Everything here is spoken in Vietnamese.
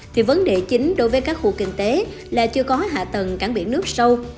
thì vấn đề chính đối với các khu kinh tế là chưa có hạ tầng cảng biển nước sâu